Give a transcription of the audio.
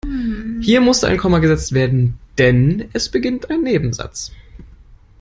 Hier musste ein Komma gesetzt werden, denn es beginnt ein Nebensatz.